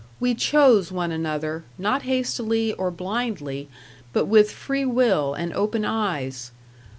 We chose one another, not hastily or blindly, but with free will and open eyes.